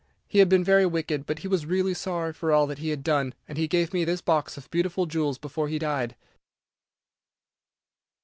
He had been very wicked, but he was really sorry for all that he had done, and he gave me this box of beautiful jewels before he died."